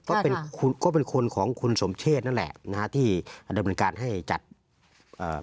ค่ะค่ะก็เป็นคนของคุณสมเชษนั่นแหละนะคะที่ดำเป็นการให้จัดอ่า